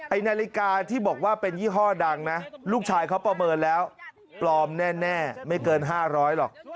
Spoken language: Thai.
นาฬิกาที่บอกว่าเป็นยี่ห้อดังนะลูกชายเขาประเมินแล้วปลอมแน่ไม่เกิน๕๐๐หรอก